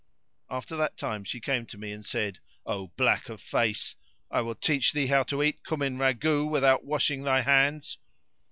After that time she came to me and said, "O black of face![FN#571] I will teach thee how to eat cumin ragout without washing thy hands!"